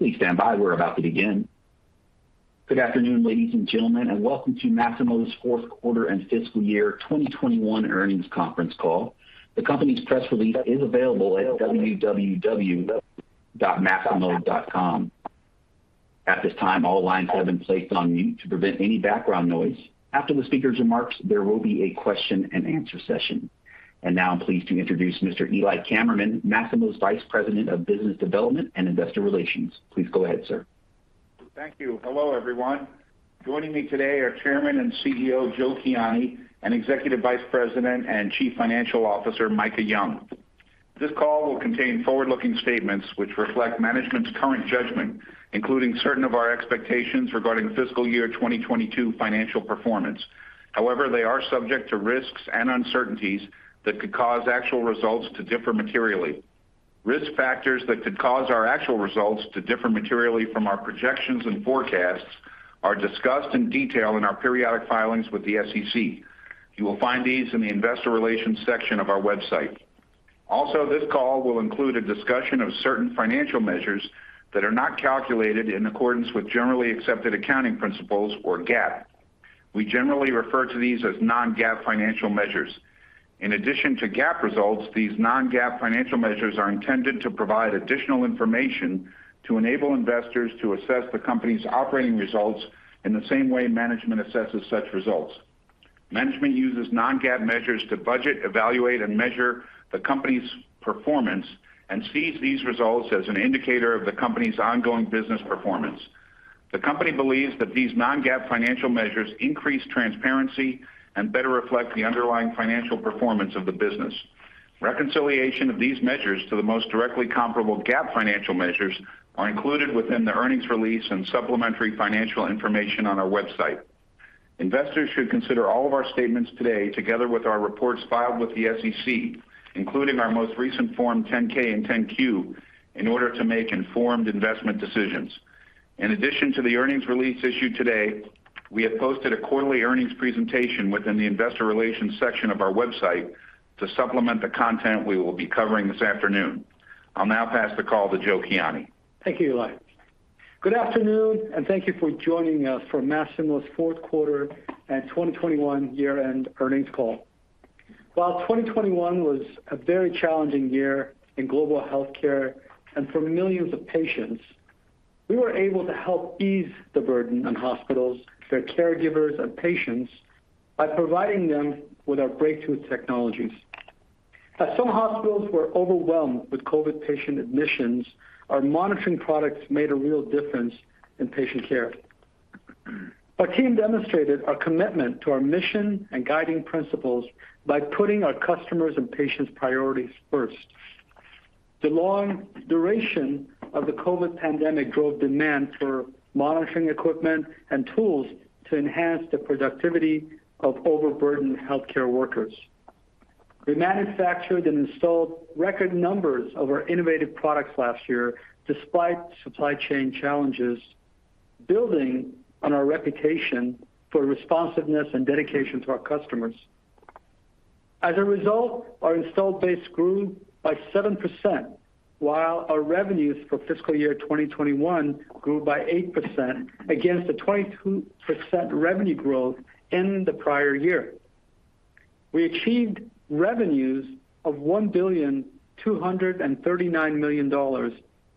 Please stand by. We're about to begin. Good afternoon, ladies and gentlemen, and welcome to Masimo's fourth quarter and FY2021 Earnings Conference Call. The company's press release is available at www.masimo.com. At this time, all lines have been placed on mute to prevent any background noise. After the speaker's remarks, there will be a question-and-answer session. Now I'm pleased to introduce Mr. Eli Kammerman, Masimo's Vice President of Business Development and Investor Relations. Please go ahead, sir. Thank you. Hello, everyone. Joining me today are Chairman and CEO, Joe Kiani, and Executive Vice President and Chief Financial Officer, Micah Young. This call will contain forward-looking statements which reflect management's current judgment, including certain of our expectations regarding FY2022 financial performance. However, they are subject to risks and uncertainties that could cause actual results to differ materially. Risk factors that could cause our actual results to differ materially from our projections and forecasts are discussed in detail in our periodic filings with the SEC. You will find these in the investor relations section of our website. Also, this call will include a discussion of certain financial measures that are not calculated in accordance with generally accepted accounting principles or GAAP. We generally refer to these as non-GAAP financial measures. In addition to GAAP results, these non-GAAP financial measures are intended to provide additional information to enable investors to assess the company's operating results in the same way management assesses such results. Management uses non-GAAP measures to budget, evaluate, and measure the company's performance and sees these results as an indicator of the company's ongoing business performance. The company believes that these non-GAAP financial measures increase transparency and better reflect the underlying financial performance of the business. Reconciliation of these measures to the most directly comparable GAAP financial measures are included within the earnings release and supplementary financial information on our website. Investors should consider all of our statements today, together with our reports filed with the SEC, including our most recent Form 10-K and 10-Q, in order to make informed investment decisions. In addition to the earnings release issued today, we have posted a quarterly earnings presentation within the investor relations section of our website to supplement the content we will be covering this afternoon. I'll now pass the call to Joe Kiani. Thank you, Eli. Good afternoon, and thank you for joining us for Masimo's Q4 and 2021 year-end earnings call. While 2021 was a very challenging year in global healthcare and for millions of patients, we were able to help ease the burden on hospitals, their caregivers, and patients by providing them with our breakthrough technologies. As some hospitals were overwhelmed with COVID-19 patient admissions, our monitoring products made a real difference in patient care. Our team demonstrated our commitment to our mission and guiding principles by putting our customers and patients' priorities first. The long duration of the COVID-19 pandemic drove demand for monitoring equipment and tools to enhance the productivity of overburdened healthcare workers. We manufactured and installed record numbers of our innovative products last year despite supply chain challenges, building on our reputation for responsiveness and dedication to our customers. As a result, our installed base grew by 7%, while our revenues for fiscal year 2021 grew by 8% against the 22% revenue growth in the prior year. We achieved revenues of $1.239 billion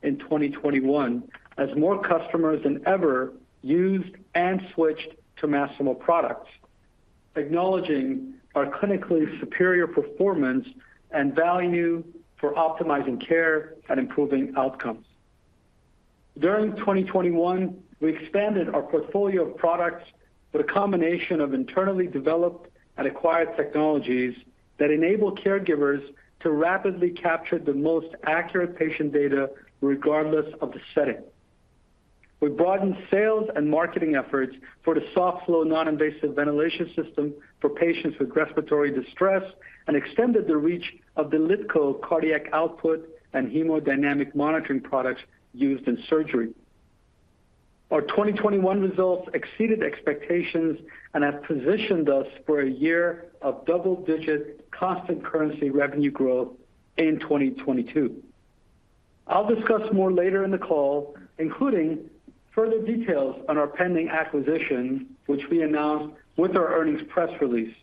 in 2021 as more customers than ever used and switched to Masimo products, acknowledging our clinically superior performance and value for optimizing care and improving outcomes. During 2021, we expanded our portfolio of products with a combination of internally developed and acquired technologies that enable caregivers to rapidly capture the most accurate patient data regardless of the setting. We broadened sales and marketing efforts for the softFlow non-invasive ventilation system for patients with respiratory distress and extended the reach of the LiDCO cardiac output and hemodynamic monitoring products used in surgery. Our 2021 results exceeded expectations and have positioned us for a year of double-digit constant currency revenue growth in 2022. I'll discuss more later in the call, including further details on our pending acquisition, which we announced with our earnings press release.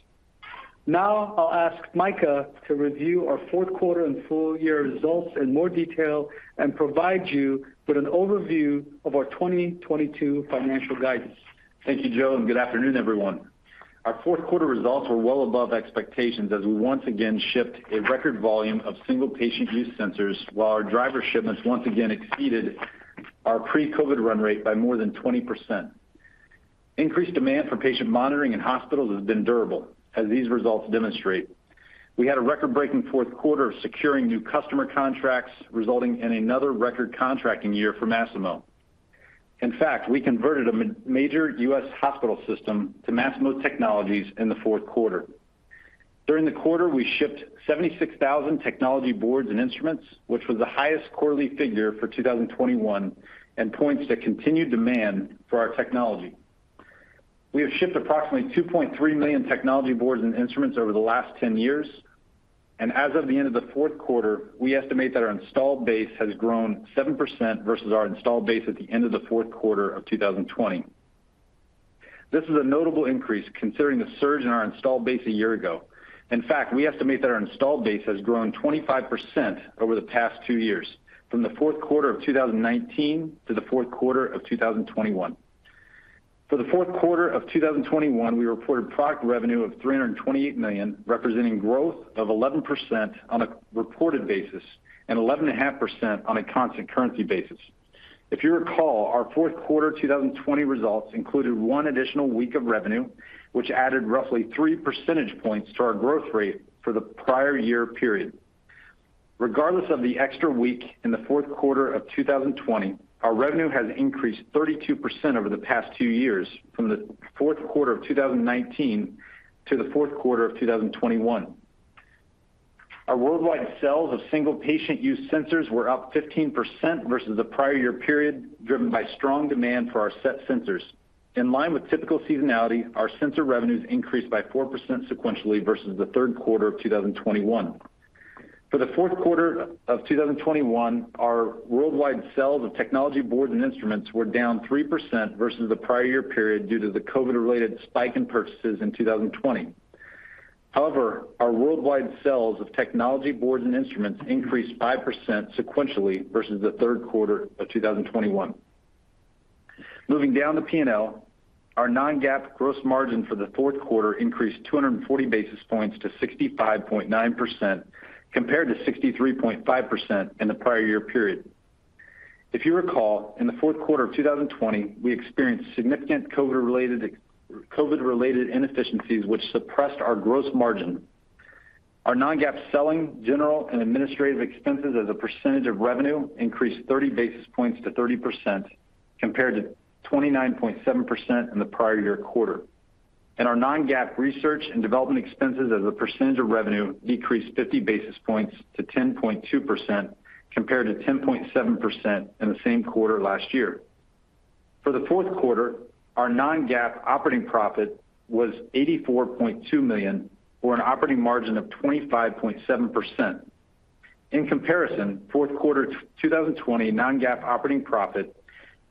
Now I'll ask Micah to review our Q4 and full-year results in more detail and provide you with an overview of our 2022 financial guidance. Thank you, Joe, and good afternoon, everyone. Our Q4 results were well above expectations as we once again shipped a record volume of single patient use sensors while our driver shipments once again exceeded our pre-COVID run rate by more than 20%. Increased demand for patient monitoring in hospitals has been durable, as these results demonstrate. We had a record-breaking fourth quarter of securing new customer contracts, resulting in another record contracting year for Masimo. In fact, we converted a major U.S. hospital system to Masimo technologies in the fourth quarter. During the quarter, we shipped 76,000 technology boards and instruments, which was the highest quarterly figure for 2021, and points to continued demand for our technology. We have shipped approximately 2.3 million technology boards and instruments over the last 10 years. As of the end of the Q4, we estimate that our installed base has grown 7% versus our installed base at the end of the Q4 2020. This is a notable increase considering the surge in our installed base a year ago. In fact, we estimate that our installed base has grown 25% over the past two years, from the Q4 2019 to the fourth quarter 2021. For the Q4 2021, we reported product revenue of $328 million, representing growth of 11% on a reported basis and 11.5% on a constant currency basis. If you recall, our Q4 2020 results included 1 additional week of revenue, which added roughly 3% to our growth rate for the prior year period. Regardless of the extra week in the fourth quarter of 2020, our revenue has increased 32% over the past two years from the Q4 2019 to the Q4 2021. Our worldwide sales of single patient use sensors were up 15% versus the prior year period, driven by strong demand for our SET sensors. In line with typical seasonality, our sensor revenues increased by 4% sequentially versus the Q3 2021. For the Q4 2021, our worldwide sales of technology boards and instruments were down 3% versus the prior year period due to the COVID-related spike in purchases in 2020. However, our worldwide sales of technology boards and instruments increased 5% sequentially versus the Q3 2021. Moving down to P&L. Our non-GAAP gross margin for the fourth quarter increased 240 basis points to 65.9% compared to 63.5% in the prior year period. If you recall, in the Q4 2020, we experienced significant COVID-related inefficiencies which suppressed our gross margin. Our non-GAAP selling, general and administrative expenses as a percentage of revenue increased 30 basis points to 30% compared to 29.7% in the prior year quarter. Our non-GAAP research and development expenses as a percentage of revenue decreased 50 basis points to 10.2%, compared to 10.7% in the same quarter last year. For the Q4 our non-GAAP operating profit was $84.2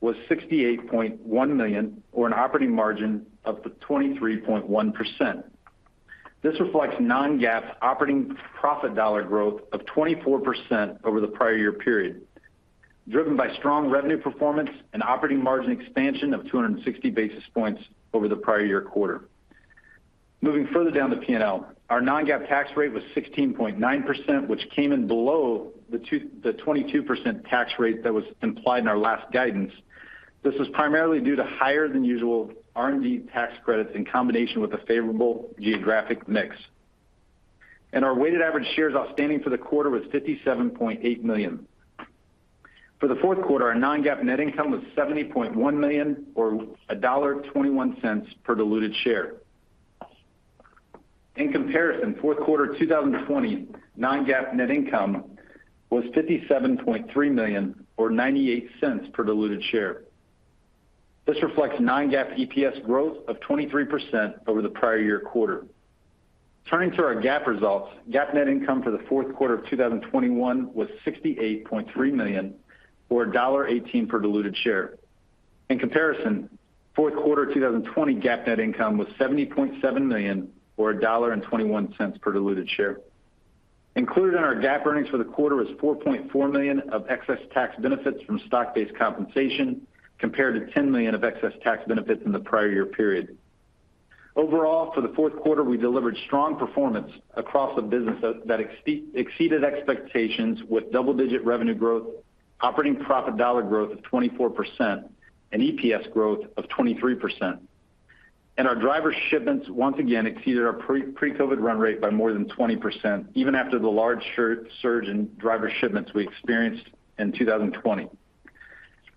million, or an operating margin of 25.7%. In comparison, Q4 2020 non-GAAP operating profit was $68.1 million, or an operating margin of 23.1%. This reflects non-GAAP operating profit dollar growth of 24% over the prior year period, driven by strong revenue performance and operating margin expansion of 260 basis points over the prior year quarter. Moving further down the P&L, our non-GAAP tax rate was 16.9%, which came in below the 22% tax rate that was implied in our last guidance. This is primarily due to higher than usual R&D tax credits in combination with a favorable geographic mix. Our weighted average shares outstanding for the quarter was 57.8 million. For the Q4, our non-GAAP net income was $70.1 million or $1.21 per diluted share. In comparison, fourth quarter 2020 non-GAAP net income was $57.3 million or $0.98 per diluted share. This reflects non-GAAP EPS growth of 23% over the prior year quarter. Turning to our GAAP results. GAAP net income for the fourth quarter of 2021 was $68.3 million, or $1.18 per diluted share. In comparison, Q4 2020 GAAP net income was $70.7 million or $1.21 per diluted share. Included in our GAAP earnings for the quarter was $4.4 million of excess tax benefits from stock-based compensation, compared to $10 million of excess tax benefits in the prior year period. Overall, for the fourth quarter, we delivered strong performance across the business that exceeded expectations with double digit revenue growth, operating profit dollar growth of 24%, and EPS growth of 23%. Our driver shipments once again exceeded our pre-COVID run rate by more than 20% even after the large surge in driver shipments we experienced in 2020.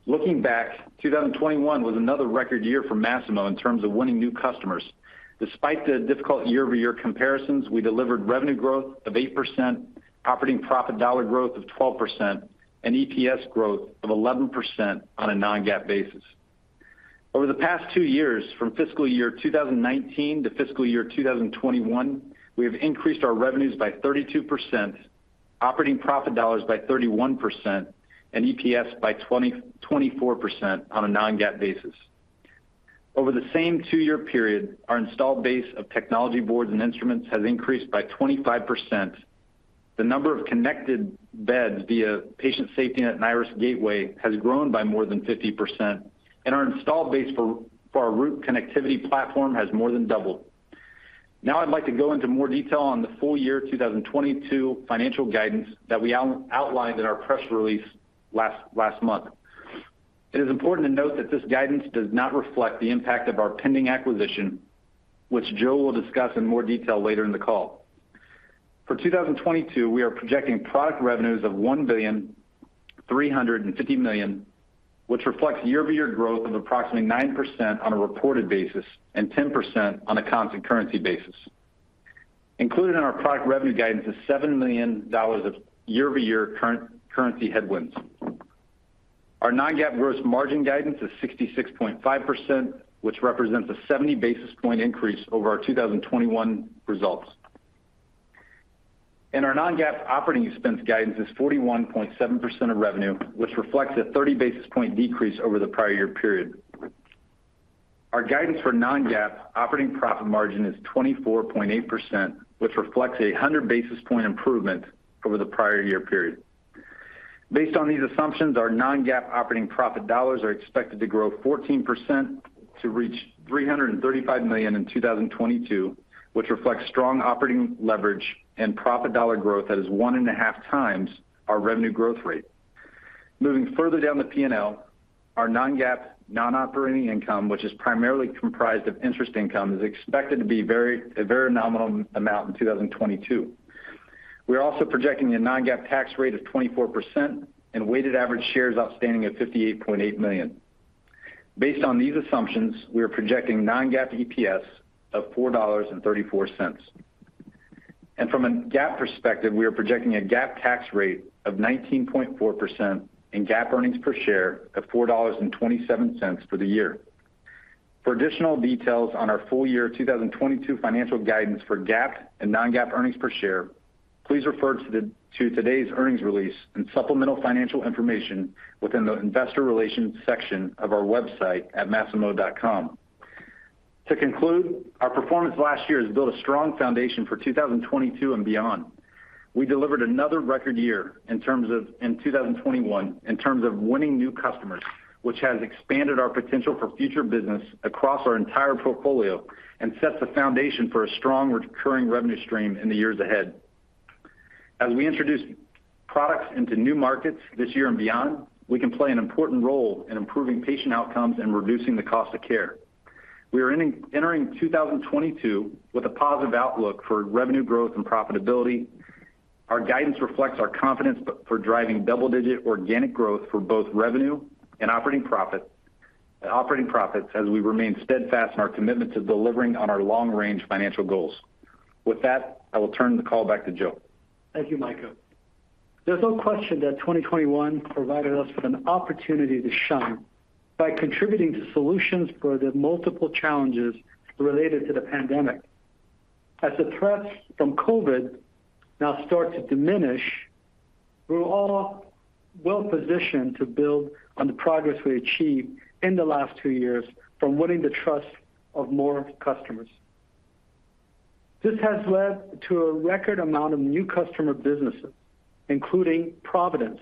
Looking back, 2021 was another record year for Masimo in terms of winning new customers. Despite the difficult year-over-year comparisons, we delivered revenue growth of 8%, operating profit dollar growth of 12%, and EPS growth of 11% on a non-GAAP basis. Over the past two years, from fiscal year 2019 to fiscal year 2021, we have increased our revenues by 32%, operating profit dollars by 31%, and EPS by 24% on a non-GAAP basis. Over the same two-year period, our installed base of technology boards and instruments has increased by 25%. The number of connected beds via Patient SafetyNet and Iris Gateway has grown by more than 50%, and our installed base for our Root Connectivity platform has more than doubled. Now, I'd like to go into more detail on the full-year 2022 financial guidance that we outlined in our press release last month. It is important to note that this guidance does not reflect the impact of our pending acquisition, which Joe will discuss in more detail later in the call. For 2022, we are projecting product revenues of $1.35 billion, which reflects year-over-year growth of approximately 9% on a reported basis and 10% on a constant currency basis. Included in our product revenue guidance is $7 million of year-over-year current currency headwinds. Our non-GAAP gross margin guidance is 66.5%, which represents a 70 basis point increase over our 2021 results. Our non-GAAP operating expense guidance is 41.7% of revenue, which reflects a 30 basis point decrease over the prior year period. Our guidance for non-GAAP operating profit margin is 24.8%, which reflects a 100 basis point improvement over the prior year period. Based on these assumptions, our non-GAAP operating profit dollars are expected to grow 14% to reach $335 million in 2022, which reflects strong operating leverage and profit dollar growth that is 1.5x our revenue growth rate. Moving further down the P&L, our non-GAAP non-operating income, which is primarily comprised of interest income, is expected to be a very nominal amount in 2022. We are also projecting a non-GAAP tax rate of 24% and weighted average shares outstanding of 58.8 million. Based on these assumptions, we are projecting non-GAAP EPS of $4.34. From a GAAP perspective, we are projecting a GAAP tax rate of 19.4% and GAAP earnings per share of $4.27 for the year. For additional details on our full-year 2022 financial guidance for GAAP and non-GAAP earnings per share, please refer to today's earnings release and supplemental financial information within the investor relations section of our website at masimo.com. To conclude, our performance last year has built a strong foundation for 2022 and beyond. We delivered another record year in 2021 in terms of winning new customers, which has expanded our potential for future business across our entire portfolio and sets the foundation for a strong recurring revenue stream in the years ahead. As we introduce products into new markets this year and beyond, we can play an important role in improving patient outcomes and reducing the cost of care. We are entering 2022 with a positive outlook for revenue growth and profitability. Our guidance reflects our confidence for driving double-digit organic growth for both revenue and operating profits as we remain steadfast in our commitment to delivering on our long-range financial goals. With that, I will turn the call back to Joe. Thank you, Micah. There's no question that 2021 provided us with an opportunity to shine by contributing to solutions for the multiple challenges related to the pandemic. As the threats from COVID-19 now start to diminish, we're all well-positioned to build on the progress we achieved in the last two years from winning the trust of more customers. This has led to a record amount of new customer businesses, including Providence,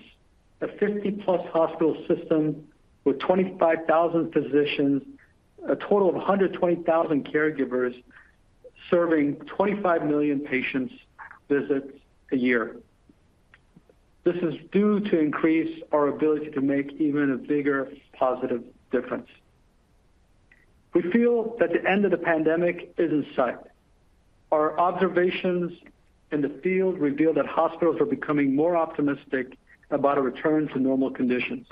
a 50+ hospital system with 25,000 physicians, a total of 120,000 caregivers serving 25 million patient visits a year. This is due to increase our ability to make even a bigger positive difference. We feel that the end of the pandemic is in sight. Our observations in the field reveal that hospitals are becoming more optimistic about a return to normal conditions.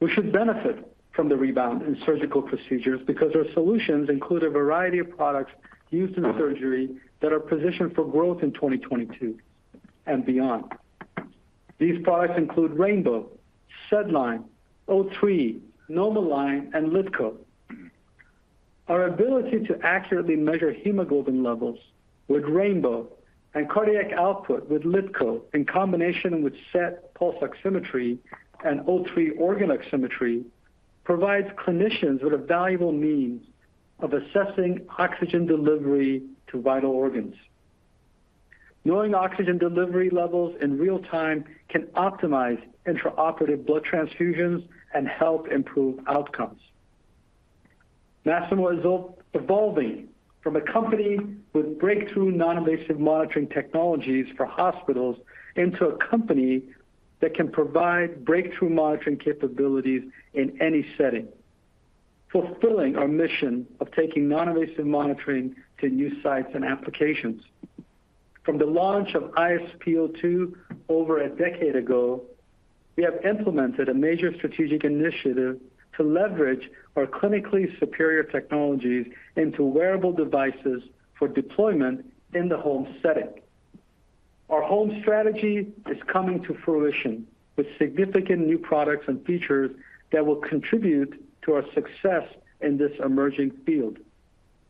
We should benefit from the rebound in surgical procedures because our solutions include a variety of products used in surgery that are positioned for growth in 2022 and beyond. These products include Rainbow®, SedLine®, O3®, NomoLine®, and LiDCO®. Our ability to accurately measure hemoglobin levels with Rainbow and cardiac output with LiDCO® in combination with SET® pulse oximetry and O3® organ oximetry provides clinicians with a valuable means of assessing oxygen delivery to vital organs. Knowing oxygen delivery levels in real-time can optimize intraoperative blood transfusions and help improve outcomes. Masimo is evolving from a company with breakthrough non-invasive monitoring technologies for hospitals into a company that can provide breakthrough monitoring capabilities in any setting, fulfilling our mission of taking non-invasive monitoring to new sites and applications. From the launch of iSpO₂over a decade ago, we have implemented a major strategic initiative to leverage our clinically superior technologies into wearable devices for deployment in the home setting. Our home strategy is coming to fruition with significant new products and features that will contribute to our success in this emerging field,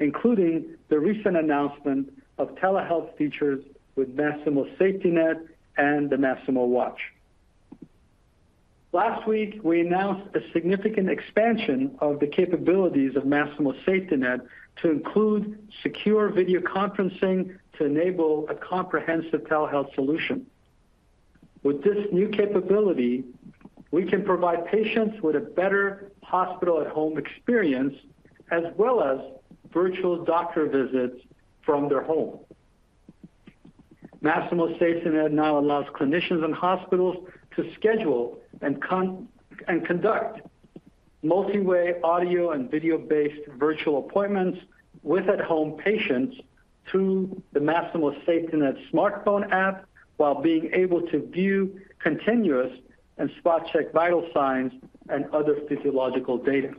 including the recent announcement of telehealth features with Masimo SafetyNet® and the Masimo Watch®. Last week, we announced a significant expansion of the capabilities of Masimo SafetyNet® to include secure video conferencing to enable a comprehensive telehealth solution. With this new capability, we can provide patients with a better hospital-at-home experience, as well as virtual doctor visits from their home. Masimo SafetyNet® now allows clinicians and hospitals to schedule and conduct multi-way audio and video-based virtual appointments with at-home patients through the Masimo SafetyNet® smartphone app while being able to view continuous and spot-check vital signs and other physiological data.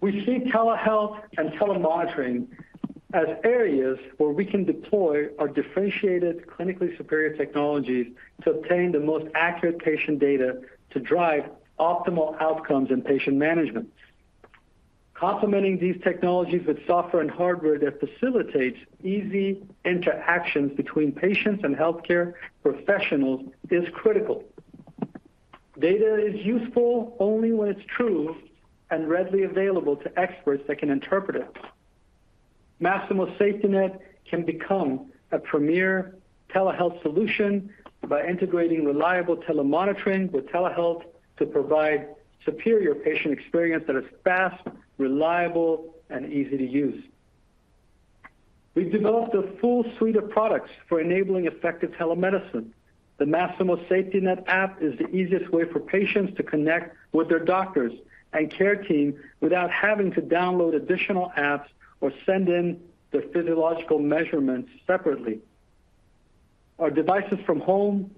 We see telehealth and telemonitoring as areas where we can deploy our differentiated, clinically superior technologies to obtain the most accurate patient data to drive optimal outcomes in patient management. Complementing these technologies with software and hardware that facilitates easy interactions between patients and healthcare professionals is critical. Data is useful only when it's true and readily available to experts that can interpret it. Masimo SafetyNet® can become a premier telehealth solution by integrating reliable telemonitoring with telehealth to provide superior patient experience that is fast, reliable, and easy to use. We've developed a full suite of products for enabling effective telemedicine. The Masimo SafetyNet® app is the easiest way for patients to connect with their doctors and care team without having to download additional apps or send in their physiological measurements separately. Our devices from home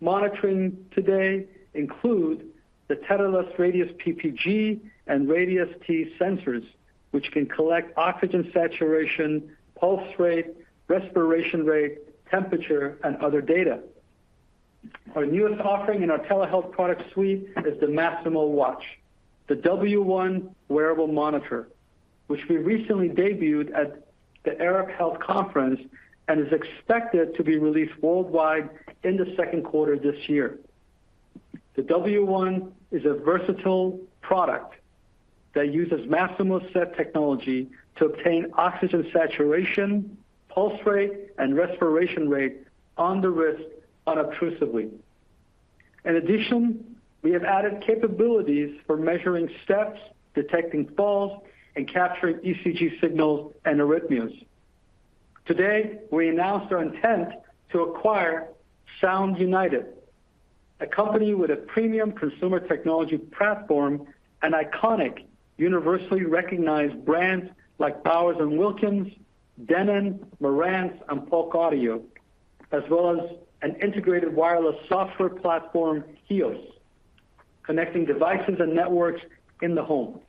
monitoring today include the tetherless Radius® PPG and Radius T°® sensors, which can collect oxygen saturation, pulse rate, respiration rate, temperature, and other data. Our newest offering in our telehealth product suite is the Masimo W1®, wearable monitor, which we recently debuted at the Arab Health Conference and is expected to be released worldwide in the second quarter this year. The Masimo W1® is a versatile product that uses Masimo SET® technology to obtain oxygen saturation, pulse rate, and respiration rate on the wrist unobtrusively. In addition, we have added capabilities for measuring steps, detecting falls, and capturing ECG signals and arrhythmias. Today, we announced our intent to acquire Sound United, a company with a premium consumer technology platform and iconic universally recognized brands like Bowers & Wilkins, Denon, Marantz, and Polk Audio, as well as an integrated wireless software platform, HEOS, connecting devices and networks in the home.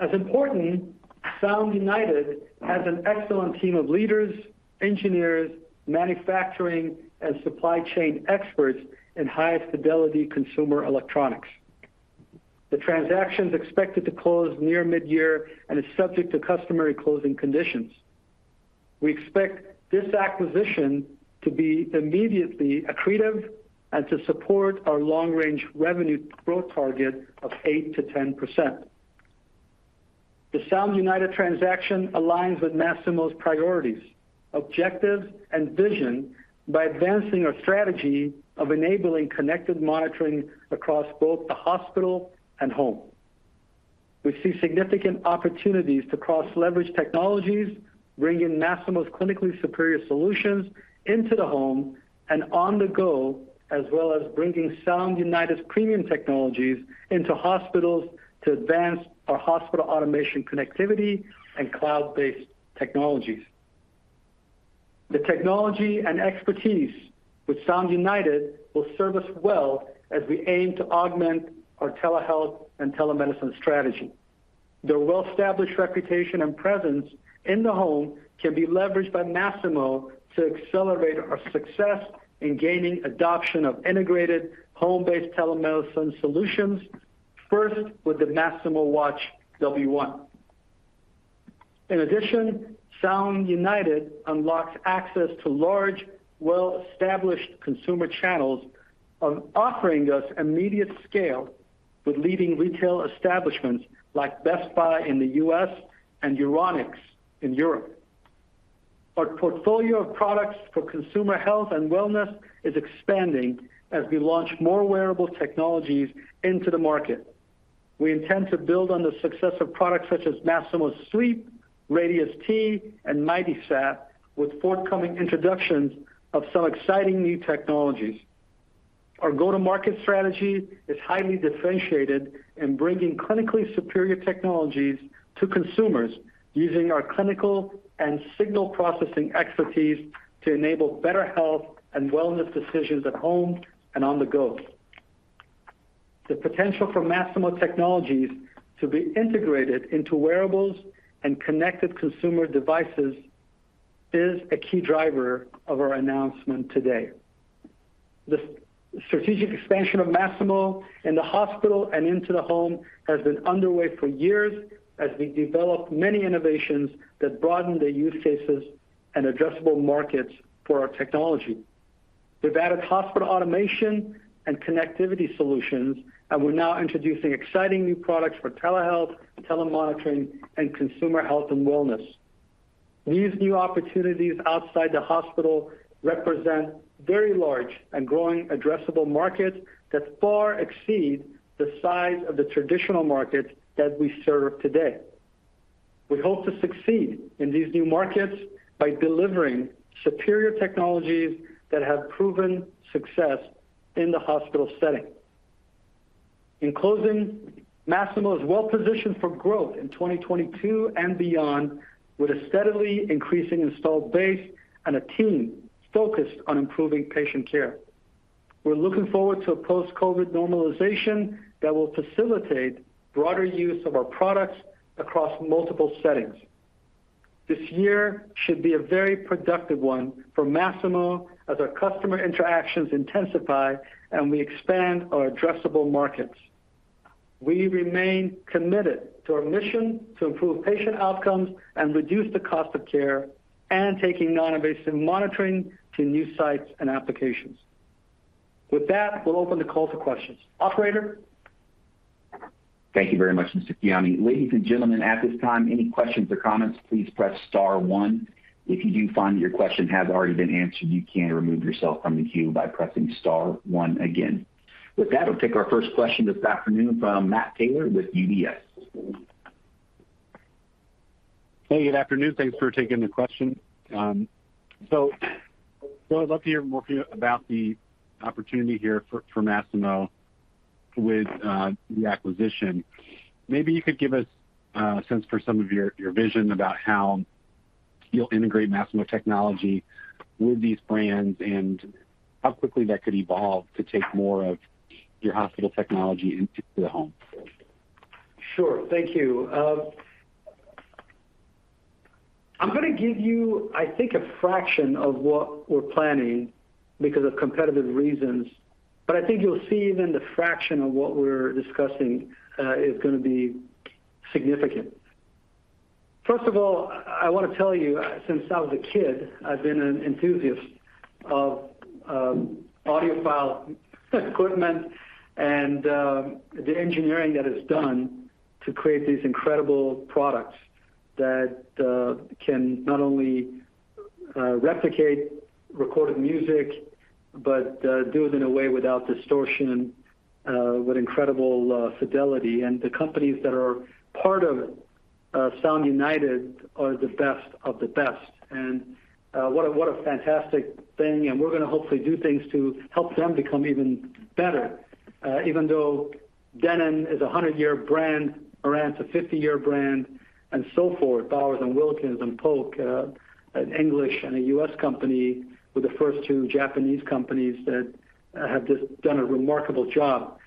As important, Sound United has an excellent team of leaders, engineers, manufacturing, and supply chain experts in high-fidelity consumer electronics. The transaction is expected to close near mid-year and is subject to customary closing conditions. We expect this acquisition to be immediately accretive and to support our long-range revenue growth target of 8%-10%. The Sound United transaction aligns with Masimo's priorities, objectives, and vision by advancing our strategy of enabling connected monitoring across both the hospital and home. We see significant opportunities to cross-leverage technologies, bringing Masimo's clinically superior solutions into the home and on the go, as well as bringing Sound United's premium technologies into hospitals to advance our hospital automation connectivity and cloud-based technologies. The technology and expertise with Sound United will serve us well as we aim to augment our telehealth and telemedicine strategy. Their well-established reputation and presence in the home can be leveraged by Masimo to accelerate our success in gaining adoption of integrated home-based telemedicine solutions, first with the Masimo W1®. In addition, Sound United unlocks access to large, well-established consumer channels, offering us immediate scale with leading retail establishments like Best Buy in the U.S. and Euronics in Europe. Our portfolio of products for consumer health and wellness is expanding as we launch more wearable technologies into the market. We intend to build on the success of products such as Masimo Sleep®, Radius T°®, and MightySat® with forthcoming introductions of some exciting new technologies. Our go-to-market strategy is highly differentiated in bringing clinically superior technologies to consumers using our clinical and signal processing expertise to enable better health and wellness decisions at home and on the go. The potential for Masimo technologies to be integrated into wearables and connected consumer devices is a key driver of our announcement today. The strategic expansion of Masimo in the hospital and into the home has been underway for years as we develop many innovations that broaden the use cases and addressable markets for our technology. We've added hospital automation and connectivity solutions, and we're now introducing exciting new products for telehealth, telemonitoring, and consumer health and wellness. These new opportunities outside the hospital represent very large and growing addressable markets that far exceed the size of the traditional markets that we serve today. We hope to succeed in these new markets by delivering superior technologies that have proven success in the hospital setting. In closing, Masimo is well-positioned for growth in 2022 and beyond with a steadily increasing installed base and a team focused on improving patient care. We're looking forward to a post-COVID normalization that will facilitate broader use of our products across multiple settings. This year should be a very productive one for Masimo as our customer interactions intensify and we expand our addressable markets. We remain committed to our mission to improve patient outcomes and reduce the cost of care and taking non-invasive monitoring to new sites and applications. With that, we'll open the call to questions. Operator? Thank you very much, Mr. Kiani. Ladies and gentlemen, at this time, any questions or comments, please press star one. If you do find your question has already been answered, you can remove yourself from the queue by pressing star one again. With that, we'll take our first question this afternoon from Matt Taylor with UBS. Hey, good afternoon. Thanks for taking the question. So I'd love to hear more from you about the opportunity here for Masimo with the acquisition. Maybe you could give us a sense for some of your vision about how you'll integrate Masimo technology with these brands and how quickly that could evolve to take more of your hospital technology into the home. Sure. Thank you. I'm gonna give you, I think, a fraction of what we're planning because of competitive reasons, but I think you'll see even the fraction of what we're discussing is gonna be significant. First of all, I want to tell you, since I was a kid, I've been an enthusiast of audiophile equipment and the engineering that is done to create these incredible products that can not only replicate recorded music, but do it in a way without distortion and with incredible fidelity. The companies that are part of Sound United are the best of the best. What a fantastic thing. We're gonna hopefully do things to help them become even better. Even though Denon is a 100-year brand, Marantz a 50-year brand, and so forth, Bowers & Wilkins and Polk, an English and a US company, were the first two Japanese companies that have just done a remarkable job.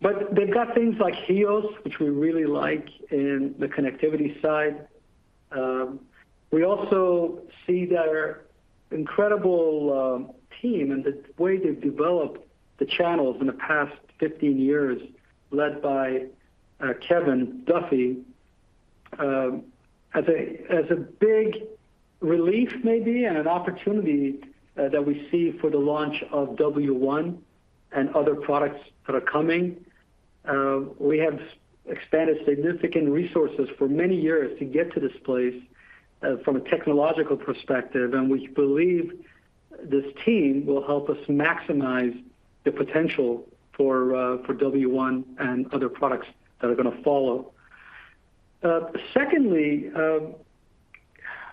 They've got things like HEOS®, which we really like in the connectivity side. We also see their incredible team and the way they've developed the channels in the past 15 years, led by Kevin Duffy, as a big relief maybe and an opportunity that we see for the launch of Masimo W1® and other products that are coming. We have expanded significant resources for many years to get to this place from a technological perspective, and we believe this team will help us maximize the potential for Masimo W1® and other products that are gonna follow. Secondly,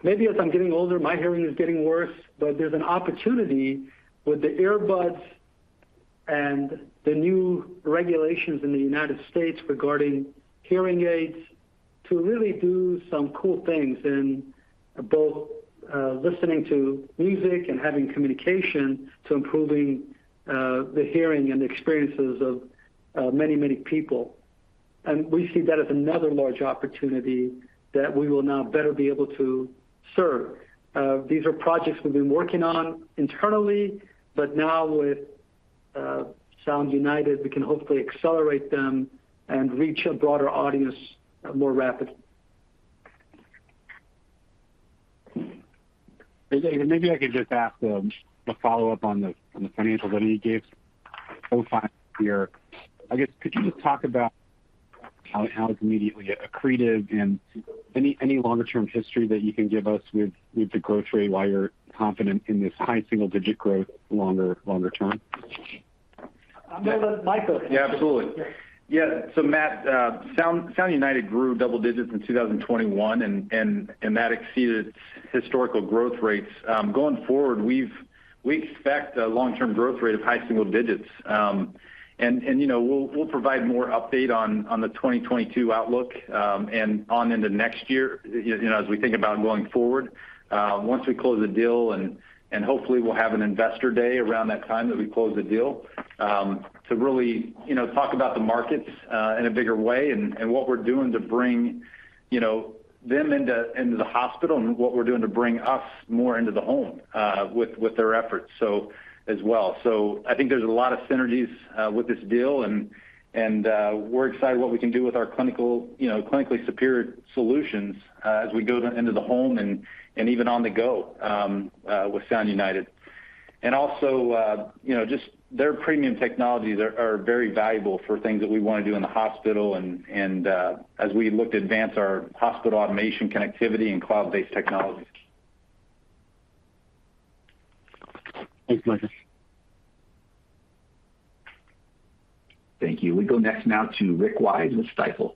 maybe as I'm getting older, my hearing is getting worse, but there's an opportunity with the earbuds and the new regulations in the United States regarding hearing aids to really do some cool things in both listening to music and having communication to improving the hearing and the experiences of many, many people. We see that as another large opportunity that we will now better be able to serve. These are projects we've been working on internally, but now with Sound United, we can hopefully accelerate them and reach a broader audience more rapidly. Maybe I could just ask a follow-up on the financials that you gave for 2025 here. I guess could you just talk about how it's immediately accretive and any longer-term history that you can give us with the growth rate, why you're confident in this high single-digit growth longer term? No, let Micah. Yeah, absolutely. Yeah. Matt, Sound United grew double digits in 2021 and that exceeded historical growth rates. Going forward, we expect a long-term growth rate of high single digits. And we'll provide more update on the 2022 outlook and on into next year, as we think about going forward, once we close the deal and hopefully we'll have an investor day around that time that we close the deal, to really, talk about the markets in a bigger way and what we're doing to bring, them into the hospital and what we're doing to bring us more into the home with their efforts as well. I think there's a lot of synergies with this deal and we're excited about what we can do with our clinical, clinically superior solutions as we go into the home and even on the go with Sound United. Also, just their premium technologies are very valuable for things that we wanna do in the hospital and as we look to advance our hospital automation connectivity and cloud-based technologies. Thanks, Micah. Thank you. We go next now to Rick Wise with Stifel.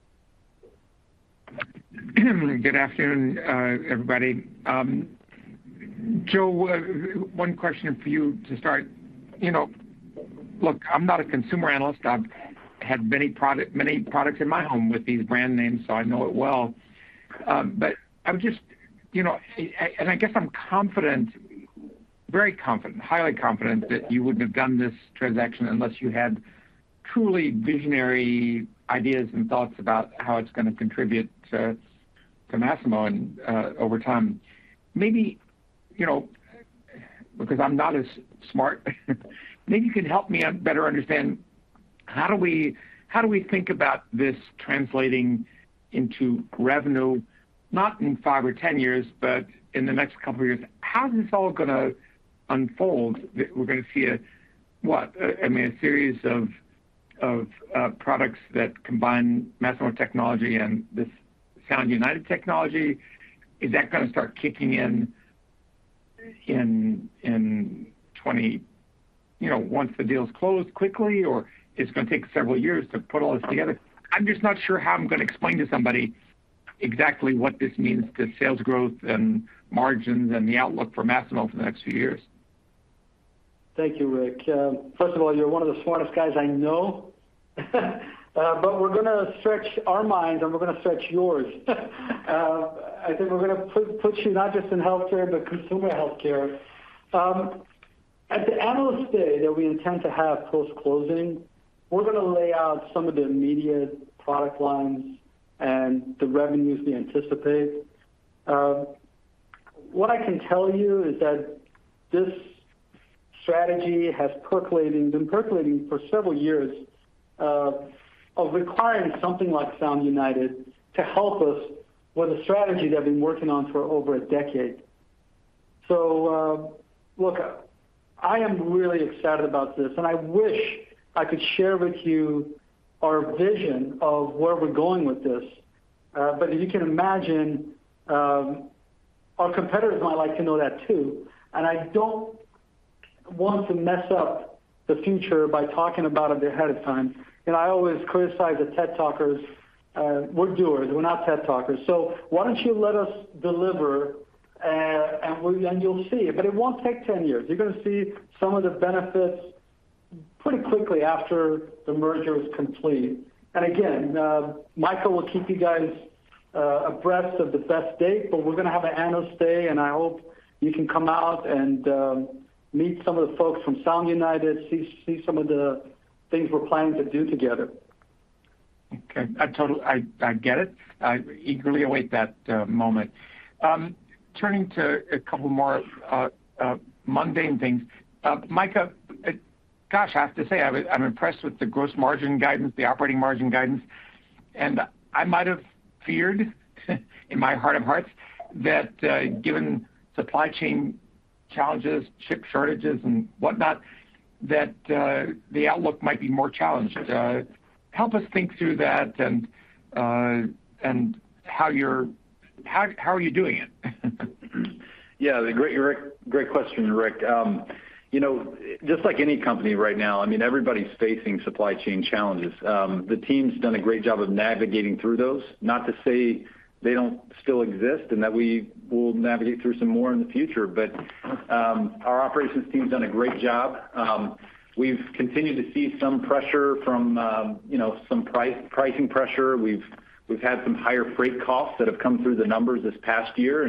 Good afternoon, everybody. Joe, one question for you to start. Look, I'm not a consumer analyst. I have many products in my home with these brand names, so I know it well. I'm just, and I guess I'm confident, very confident, highly confident that you wouldn't have done this transaction unless you had truly visionary ideas and thoughts about how it's gonna contribute to Masimo and over time. Maybe, because I'm not as smart, maybe you can help me out better understand how do we think about this translating into revenue, not in five or 10 years, but in the next couple of years? How is this all gonna unfold? That we're gonna see a what? I mean, a series of products that combine Masimo technology and this Sound United technology. Is that gonna start kicking in in 2020, once the deal is closed quickly, or it's gonna take several years to put all this together? I'm just not sure how I'm gonna explain to somebody exactly what this means to sales growth and margins and the outlook for Masimo for the next few years. Thank you, Rick. First of all, you're one of the smartest guys I know. But we're gonna stretch our minds, and we're gonna stretch yours. I think we're gonna put you not just in healthcare, but consumer healthcare. At the Analyst Day that we intend to have post-closing, we're gonna lay out some of the immediate product lines and the revenues we anticipate. What I can tell you is that this strategy has been percolating for several years of requiring something like Sound United to help us with a strategy that I've been working on for over a decade. Look, I am really excited about this, and I wish I could share with you our vision of where we're going with this. As you can imagine, our competitors might like to know that too, and I don't want to mess up the future by talking about it ahead of time. I always criticize the TED Talkers. We're doers. We're not TED Talkers. Why don't you let us deliver, and you'll see. It won't take 10 years. You're gonna see some of the benefits pretty quickly after the merger is complete. Again, Micah will keep you guys abreast of the best date, but we're gonna have an Analyst Day, and I hope you can come out and meet some of the folks from Sound United, see some of the things we're planning to do together. Okay. I get it. I eagerly await that moment. Turning to a couple more mundane things. Micah, I have to say, I'm impressed with the gross margin guidance, the operating margin guidance. I might have feared in my heart of hearts that, given supply chain challenges, chip shortages and whatnot, that the outlook might be more challenged. Help us think through that and how you're doing it? Yeah. Great, Rick. Great question, Rick. Just like any company right now, I mean, everybody's facing supply chain challenges. The team's done a great job of navigating through those. Not to say they don't still exist and that we will navigate through some more in the future. Our operations team has done a great job. We've continued to see some pressure from, Some pricing pressure. We've had some higher freight costs that have come through the numbers this past year.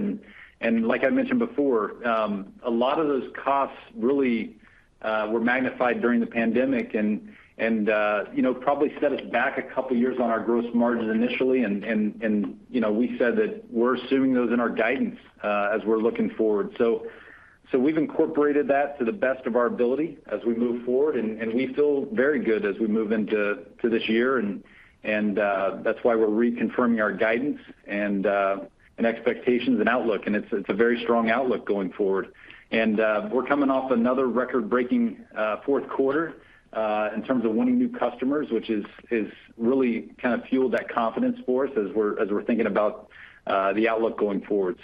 Like I mentioned before, a lot of those costs really were magnified during the pandemic and, probably set us back a couple of years on our gross margin initially. We said that we're assuming those in our guidance as we're looking forward. We've incorporated that to the best of our ability as we move forward, and we feel very good as we move into this year. That's why we're reconfirming our guidance and expectations and outlook. It's a very strong outlook going forward. We're coming off another record-breaking fourth quarter in terms of winning new customers, which is really kind of fueled that confidence for us as we're thinking about the outlook going forward.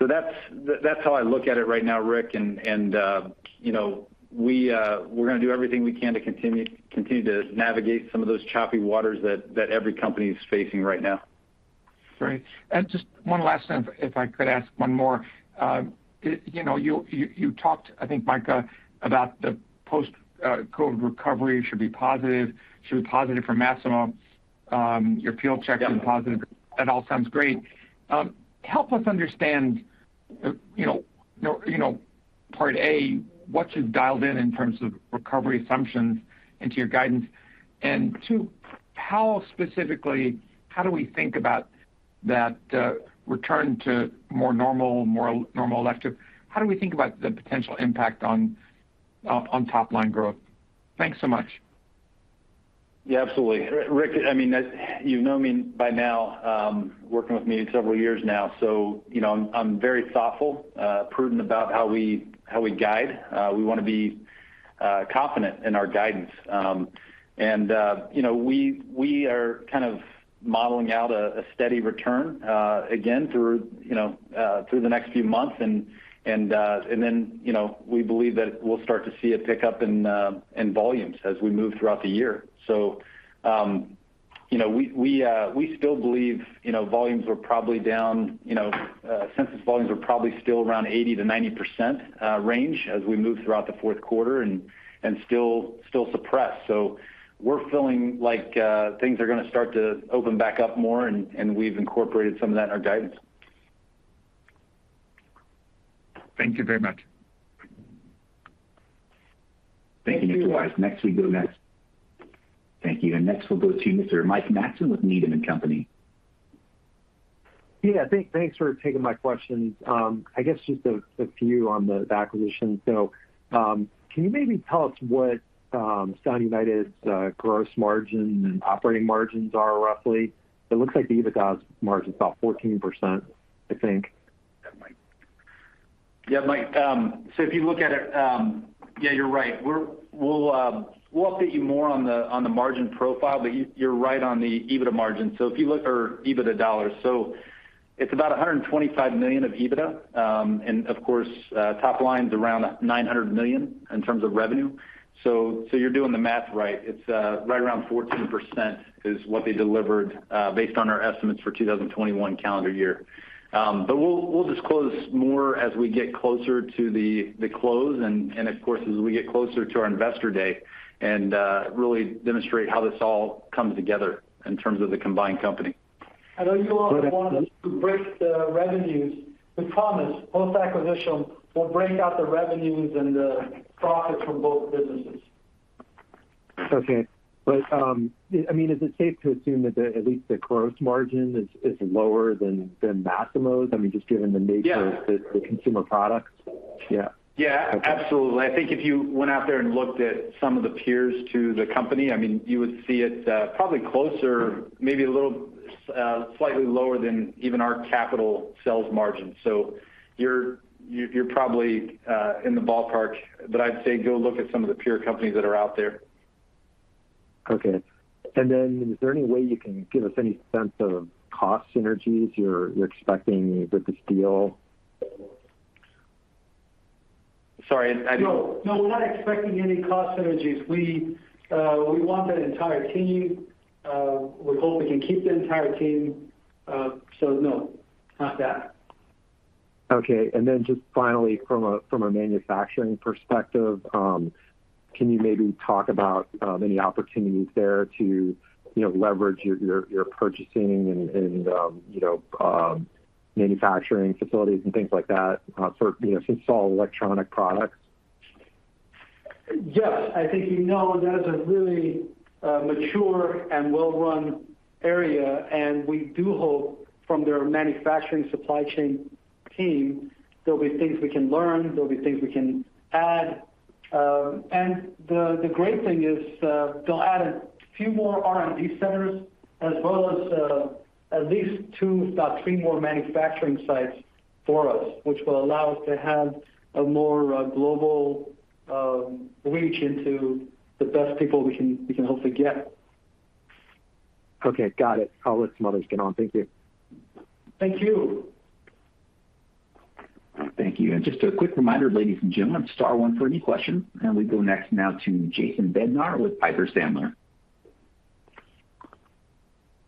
That's how I look at it right now, Rick. We're gonna do everything we can to continue to navigate some of those choppy waters that every company is facing right now. Great. Just one last thing, if I could ask one more. You talked, I think, Micah, about the post-COVID recovery should be positive for Masimo. Your field check- Yeah. This is positive. That all sounds great. Help us understand, Part A, what you've dialed in in terms of recovery assumptions into your guidance. Two, how specifically, how do we think about that, return to more normal elective? How do we think about the potential impact on top-line growth? Thanks so much. Yeah, absolutely. Rick, I mean, as you know me by now, working with me several years now, so, I'm very thoughtful, prudent about how we guide. We wanna be confident in our guidance. We are kind of modeling out a steady return, again, through the next few months. We believe that we'll start to see a pickup in volumes as we move throughout the year. We still believe, you know, volumes are probably down, census volumes are probably still around 80%-90% range as we move throughout the fourth quarter and still suppressed. We're feeling like, things are gonna start to open back up more and we've incorporated some of that in our guidance. Thank you very much. Thank you. Next we'll go to Mr. Mike Matson with Needham & Company. Yeah. Thanks for taking my questions. I guess just a few on the acquisition. Can you maybe tell us what Sound United's gross margin and operating margins are roughly? It looks like the EBITDA margin is about 14%, I think. Yeah, Mike. You're right. We'll update you more on the margin profile, but you're right on the EBITDA margin. Or EBITDA dollars. It's about $125 million of EBITDA. Of course, top line's around $900 million in terms of revenue. You're doing the math right. It's right around 14% is what they delivered, based on our estimates for 2021 calendar year. We'll disclose more as we get closer to the close and of course, as we get closer to our investor day and really demonstrate how this all comes together in terms of the combined company. I know you all wanted to break out the revenues. We promise, post-acquisition, we'll break out the revenues and the profits from both businesses. I mean, is it safe to assume that at least the gross margin is lower than Masimo's? I mean, just given the nature- Yeah. of the consumer products? Yeah. Yeah. Okay. Absolutely. I think if you went out there and looked at some of the peers to the company, I mean, you would see it, probably closer, maybe a little, slightly lower than even our capital sales margin. So you're probably in the ballpark, but I'd say go look at some of the peer companies that are out there. Okay. Then is there any way you can give us any sense of cost synergies you're expecting with this deal? Sorry, I. No. No, we're not expecting any cost synergies. We want that entire team. We hope we can keep the entire team. No, not that. Okay. Just finally from a manufacturing perspective, can you maybe talk about any opportunities there to you know leverage your purchasing and you know manufacturing facilities and things like that for you know since it's all electronic products? Yes. I think, that is a really mature and well run area, and we do hope from their manufacturing supply chain team, there'll be things we can learn, there'll be things we can add. The great thing is, they'll add a few more R&D centers as well as at least two, about three more manufacturing sites for us, which will allow us to have a more global reach into the best people we can hopefully get. Okay. Got it. I'll let some others get on. Thank you. Thank you. Thank you. Just a quick reminder, ladies and gentlemen, star one for any questions. We go next now to Jason Bednar with Piper Sandler.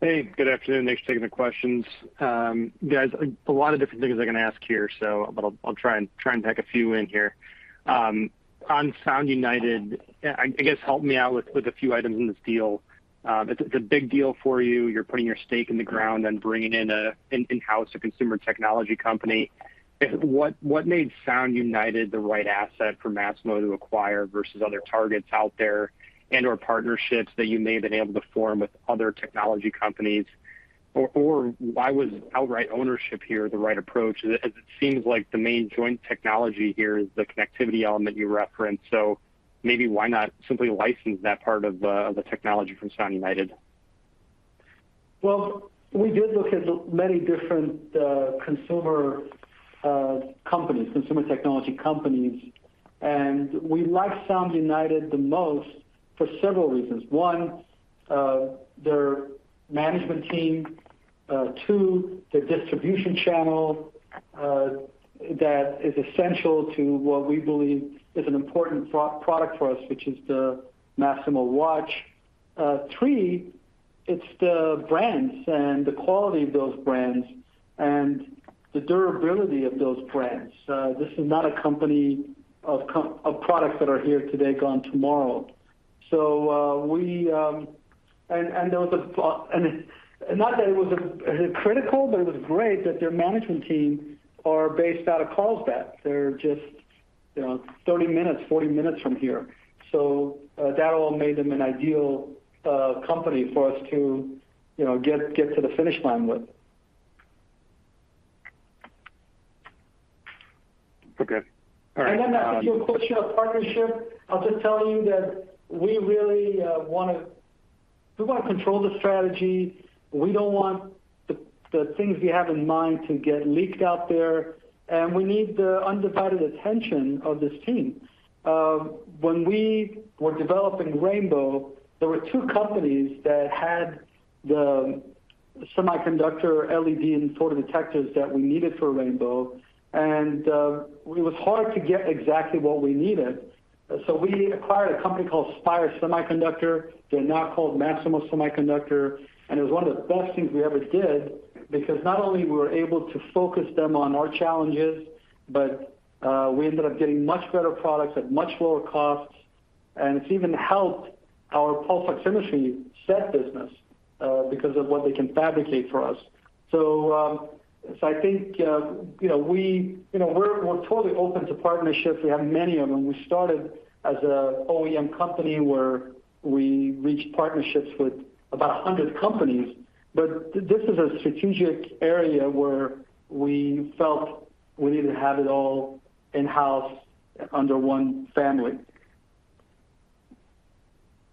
Hey, good afternoon. Thanks for taking the questions. Guys, a lot of different things I'm gonna ask here, so I'll try and pack a few in here. On Sound United, I guess help me out with a few items in this deal. It's a big deal for you. You're putting your stake in the ground and bringing in-house a consumer technology company. What made Sound United the right asset for Masimo to acquire versus other targets out there and/or partnerships that you may have been able to form with other technology companies? Or why was outright ownership here the right approach? As it seems like the main joint technology here is the connectivity element you referenced. So maybe why not simply license that part of the technology from Sound United? Well, we did look at many different, consumer, companies, consumer technology companies, and we liked Sound United the most for several reasons. One, their management team. Two, their distribution channel, that is essential to what we believe is an important product for us, which is the Masimo Watch®. Three, it's the brands and the quality of those brands and the durability of those brands. This is not a company of products that are here today, gone tomorrow. Not that it was critical, but it was great that their management team are based out of Carlsbad. They're just, 40 minutes from here. That all made them an ideal company for us to, get to the finish line with. Okay. All right, To your question of partnership, I'll just tell you that we really wanna control the strategy. We don't want the things we have in mind to get leaked out there, and we need the undivided attention of this team. When we were developing Rainbow, there were two companies that had the semiconductor, LED, and photodetectors that we needed for Rainbow®. It was hard to get exactly what we needed. We acquired a company called Spire Semiconductor. They're now called Masimo Semiconductor, and it was one of the best things we ever did because not only we were able to focus them on our challenges, but we ended up getting much better products at much lower costs, and it's even helped our pulse oximetry SET® business because of what they can fabricate for us. I think, we're totally open to partnerships. We have many of them. We started as an OEM company where we reached partnerships with about 100 companies. This is a strategic area where we felt we need to have it all in-house under one family.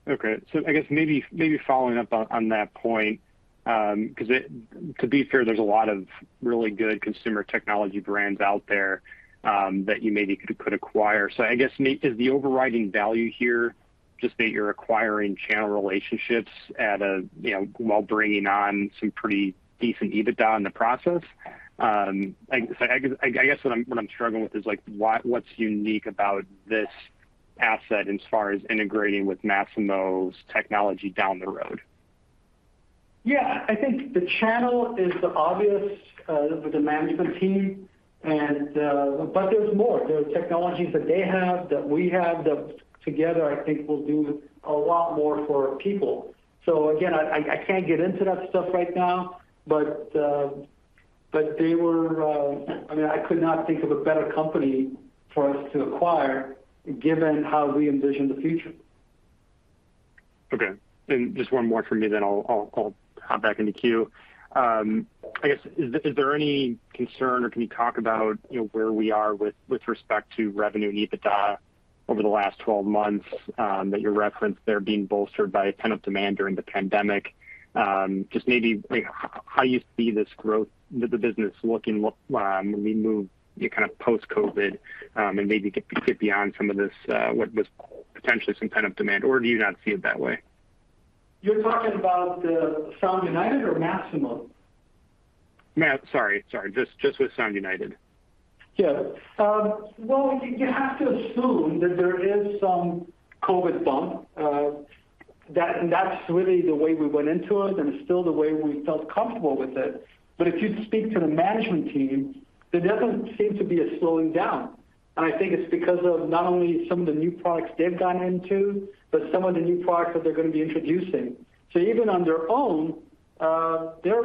Okay. I guess maybe following up on that point. To be fair, there's a lot of really good consumer technology brands out there that you maybe could acquire. Is the overriding value here just that you're acquiring channel relationships at a, while bringing on some pretty decent EBITDA in the process? I guess what I'm struggling with is, like, what's unique about this asset as far as integrating with Masimo's technology down the road? Yeah. I think the channel is the obvious with the management team, and. There's more. There are technologies that they have, that we have, that together I think will do a lot more for people. Again, I can't get into that stuff right now, but they were. I mean, I could not think of a better company for us to acquire given how we envision the future. Okay. Just one more from me, then I'll hop back in the queue. I guess, is there any concern or can you talk about, where we are with respect to revenue and EBITDA over the last 12 months, that you referenced there being bolstered by a pent-up demand during the pandemic? Just maybe, like, how you see this growth, the business looking when we move to kind of post-COVID, and maybe get beyond some of this, what was potentially some pent-up demand? Or do you not see it that way? You're talking about Sound United or Masimo? Sorry. Just with Sound United. Yeah. Well, you have to assume that there is some COVID-19 bump. That's really the way we went into it, and it's still the way we felt comfortable with it. If you speak to the management team, there doesn't seem to be a slowing down. I think it's because of not only some of the new products they've gotten into, but some of the new products that they're gonna be introducing. Even on their own, they're,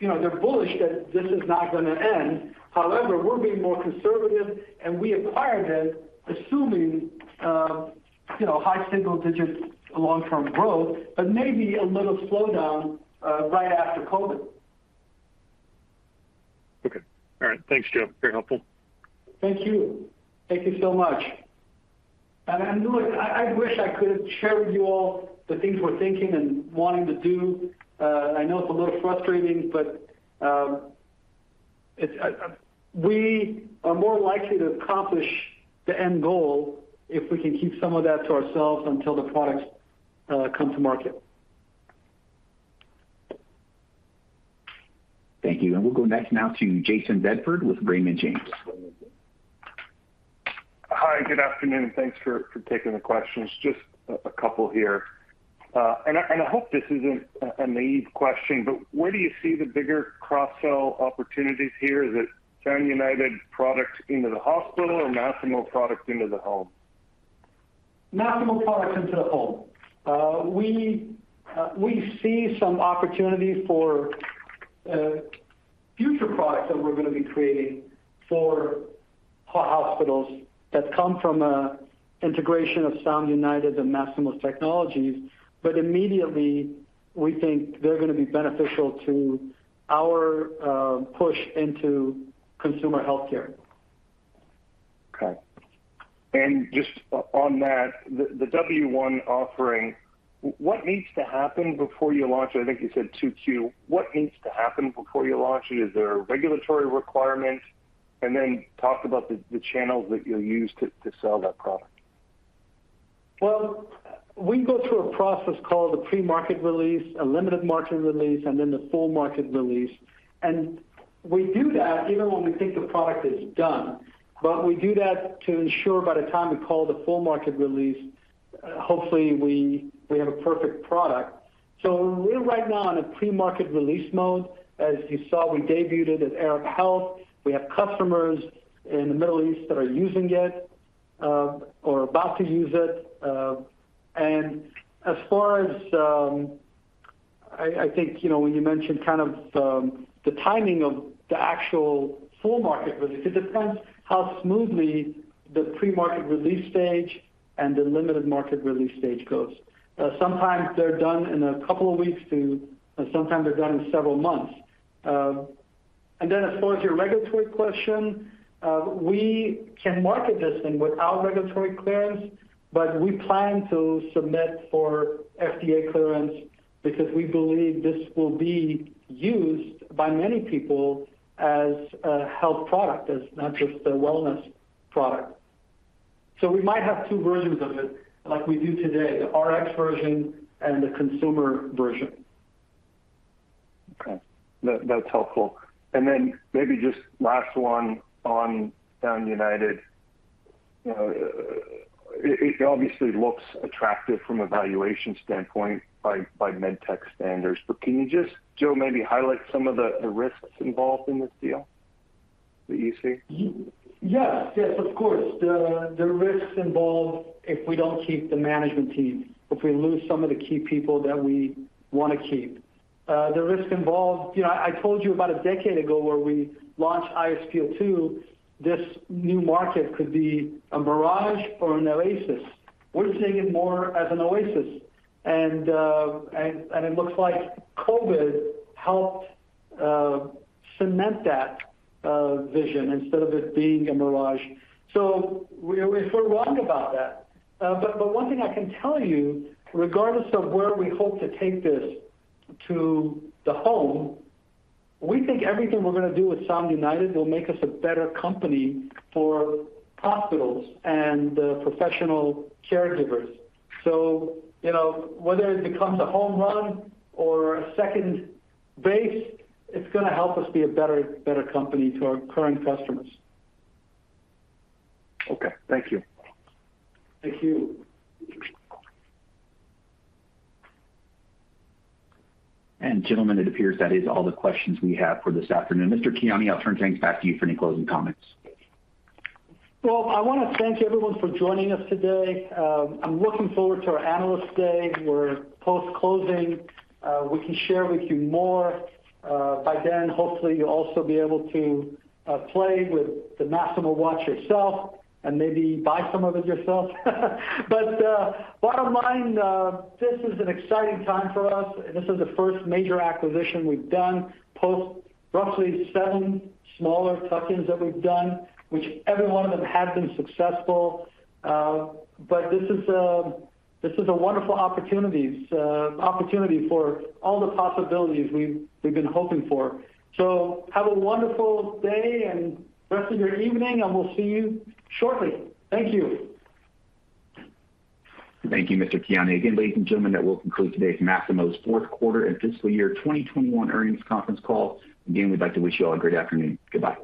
you know, bullish that this is not gonna end. However, we're being more conservative, and we acquired it assuming, high single digits long-term growth, but maybe a little slowdown, right after COVID-19. Okay. All right. Thanks, Jim. Very helpful. Thank you. Thank you so much. Look, I wish I could share with you all the things we're thinking and wanting to do. I know it's a little frustrating, but we are more likely to accomplish the end goal if we can keep some of that to ourselves until the products come to market. Thank you. We'll go next now to Jayson Bedford with Raymond James. Hi, good afternoon, and thanks for taking the questions. Just a couple here. I hope this isn't a naive question, but where do you see the bigger cross-sell opportunities here? Is it Sound United products into the hospital or Masimo products into the home? Masimo products into the home. We see some opportunities for future products that we're gonna be creating for hospitals that come from an integration of Sound United and Masimo's technologies, but immediately we think they're gonna be beneficial to our push into consumer healthcare. Okay. Just on that, the Masimo W1® offering, what needs to happen before you launch it? I think you said Q2. What needs to happen before you launch it? Is there regulatory requirements? Then talk about the channels that you'll use to sell that product. Well, we go through a process called a pre-market release, a limited market release, and then the full market release. We do that even when we think the product is done. We do that to ensure by the time we call the full market release, hopefully we have a perfect product. We're right now in a pre-market release mode. As you saw, we debuted it at Arab Health. We have customers in the Middle East that are using it, or about to use it. As far as, I think, when you mentioned kind of the timing of the actual full market release, it depends how smoothly the pre-market release stage and the limited market release stage goes. Sometimes they're done in a couple of weeks to sometimes they're done in several months. As far as your regulatory question, we can market this thing without regulatory clearance, but we plan to submit for FDA clearance because we believe this will be used by many people as a health product, as not just a wellness product. We might have two versions of it like we do today, the Rx version and the consumer version. Okay. That's helpful. Maybe just last one on Sound United. It obviously looks attractive from a valuation standpoint by med tech standards. Can you just, Joe, maybe highlight some of the risks involved in this deal that you see? Yes, of course. The risks involved if we don't keep the management team, if we lose some of the key people that we wanna keep. The risks involved. I told you about a decade ago where we launched iSpO₂, this new market could be a mirage or an oasis. We're seeing it more as an oasis. It looks like COVID-19 helped cement that vision instead of it being a mirage. We could be wrong about that. One thing I can tell you, regardless of where we hope to take this to the home, we think everything we're gonna do with Sound United will make us a better company for hospitals and professional caregivers. Whether it becomes a home run or a second base, it's gonna help us be a better company to our current customers. Okay. Thank you. Thank you. Gentlemen, it appears that is all the questions we have for this afternoon. Mr. Kiani, I'll turn things back to you for any closing comments. Well, I wanna thank everyone for joining us today. I'm looking forward to our Analyst Day, where post-closing, we can share with you more. By then, hopefully, you'll also be able to play with the Masimo watch yourself and maybe buy some of it yourself. Bottom line, this is an exciting time for us. This is the first major acquisition we've done post roughly seven smaller tuck-ins that we've done, which every one of them have been successful. This is a wonderful opportunity for all the possibilities we've been hoping for. Have a wonderful day and rest of your evening, and we'll see you shortly. Thank you. Thank you, Mr. Kiani. Again, ladies and gentlemen, that will conclude today's Masimo's Q4 and FY2021 earnings conference call. Again, we'd like to wish you all a great afternoon. Goodbye.